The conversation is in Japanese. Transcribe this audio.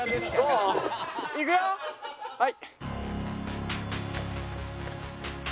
はい。